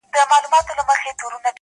تر پرون مي يوه کمه ده راوړې_